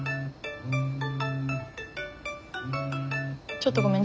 ちょっとごめん。